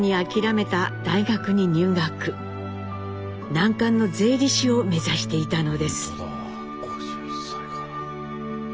難関の税理士を目指していたのです。